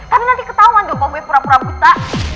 tapi nanti ketauan dong kalo gue pura pura buta